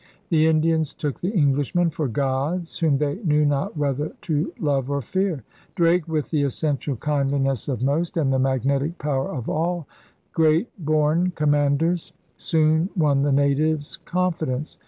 The Indians took the Englishmen for gods whom they knew not whether to love or fear. Drake with the essential kindliness of most, and the magnetic power of all, great born comman ders, soon won the natives' confidence.